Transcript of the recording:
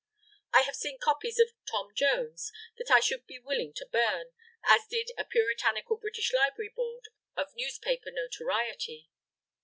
I have seen copies of "Tom Jones" that I should be willing to burn, as did a puritanical British library board of newspaper notoriety.